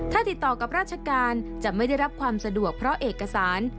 ถ้าติดต่อกับราชการจะไม่ได้รับความสะดวกเพราะเอกสาร